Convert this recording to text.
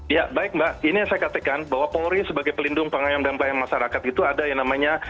ya baik mbak ini yang saya katakan bahwa polri sebagai pelindung pengayam dan pelayanan masyarakat itu ada yang namanya